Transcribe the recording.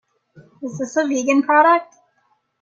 Is this a vegan product?